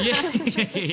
いやいや。